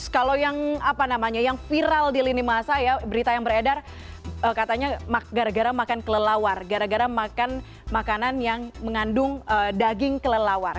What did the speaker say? kalau yang apa namanya yang viral di lini masa ya berita yang beredar katanya gara gara makan kelelawar gara gara makan makanan yang mengandung daging kelelawar